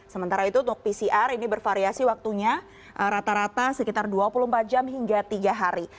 sementara itu untuk pcr ini bervariasi waktunya rata rata sekitar dua puluh empat jam hingga tiga hari